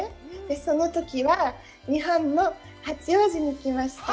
そのときは、日本の八王子にいきました。